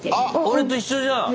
俺と一緒じゃん。